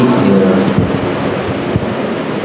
ai hành hạ em